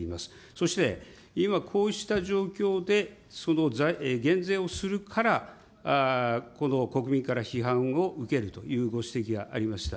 そして、今、こうした状況でその減税をするから国民から批判を受けるというご指摘がありました。